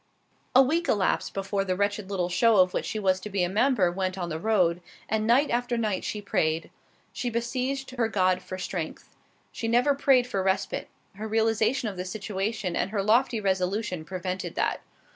A week elapsed before the wretched little show of which she was to be a member went on the road, and night after night she prayed. She besieged her God for strength. She never prayed for respite. Her realization of the situation and her lofty resolution prevented that.